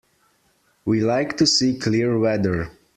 We like to see clear weather.